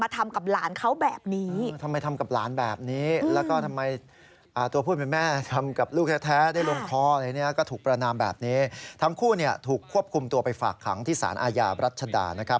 ทุกคนถูกควบคุมตัวไปฝากหังที่สารอาญาบรัชดา